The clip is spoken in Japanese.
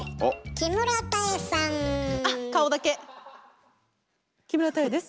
「木村多江です」。